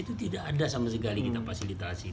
itu tidak ada sama sekali kita fasilitasi